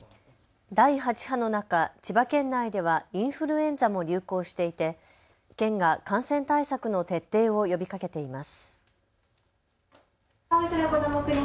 第８波の中、千葉県内ではインフルエンザも流行していて県が感染対策の徹底を呼びかけています。